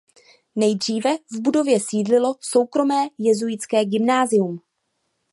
Nejdříve v budově sídlilo soukromé jezuitské gymnázium.